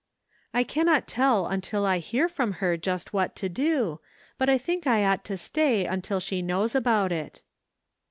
" I cannot tell until I hear from her just what to do, but I think I ought to stay until she knows about it."